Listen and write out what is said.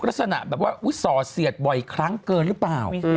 ลักษณะแบบว่าอุ๊ยส่อเสียดบ่อยครั้งเกินหรือเปล่า